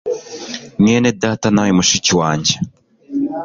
mwenedata nawe mushiki wanjye